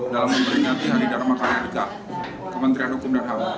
dalam memberi hati hari dalam maklumat amerika kementerian hukum dan hukum